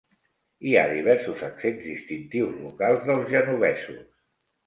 Hi ha diversos accents distintius locals dels genovesos.